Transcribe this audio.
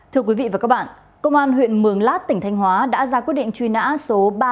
thưa quý vị và các bạn công an huyện mường lát tỉnh thanh hóa đã ra quy định truy nã số ba trăm chín mươi năm